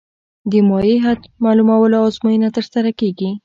د مایع حد معلومولو ازموینه ترسره کیږي